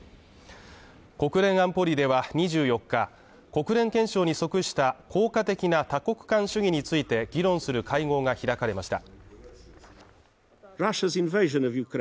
国連安保理では２４日、国連憲章に即した効果的な多国間主義について議論する会合が開かれました。